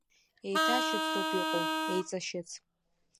Еиҭашьыцроуп иҟоу, еиҵашьыц…